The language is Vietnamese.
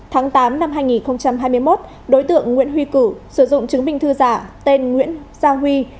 tháng tám năm hai nghìn hai mươi một đối tượng nguyễn huy cử sử dụng chứng minh thư giả tên nguyễn gia huy